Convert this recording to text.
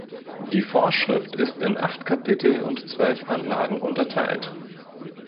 Die Vorschrift ist in acht Kapitel und zwölf Anlagen unterteilt.